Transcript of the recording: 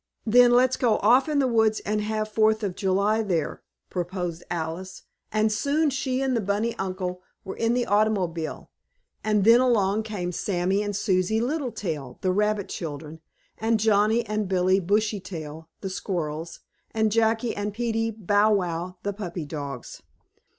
"Then let's go off in the woods and have Fourth of July there," proposed Alice, and soon she and the bunny uncle were in the automobile. And then along came Sammie and Susie Littletail, the rabbit children, and Johnnie and Billie Bushytail, the squirrels, and Jackie and Peetie Bow Wow, the puppy dogs.